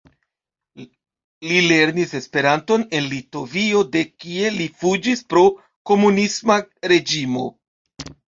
Li lernis Esperanton en Litovio de kie li fuĝis pro komunisma reĝimo.